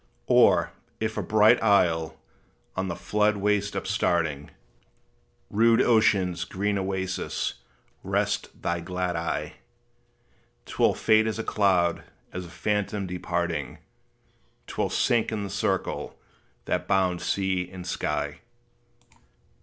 Or, if a bright isle, on the flood waste upstarting, Rude ocean's green oasis, rest thy glad eye, 'T will fade as a cloud as a phantom departing, 'T will sink in the circle that bounds sea and sky.